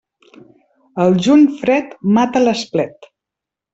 El juny fred mata l'esplet.